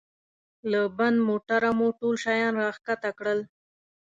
له بند موټره مو ټول شیان را کښته کړل.